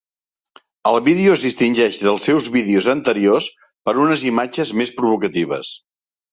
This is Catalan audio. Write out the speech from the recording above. El vídeo es distingeix dels seus vídeos anteriors per unes imatges més provocatives.